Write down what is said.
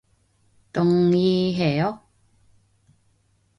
동의해요?